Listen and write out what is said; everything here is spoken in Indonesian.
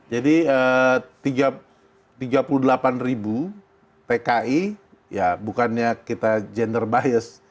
jadi tiga puluh delapan ribu tki ya bukannya kita gender bias